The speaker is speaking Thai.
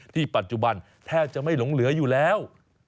ปัจจุบันแทบจะไม่หลงเหลืออยู่แล้ว